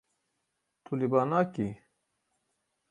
Tu li ba nakî.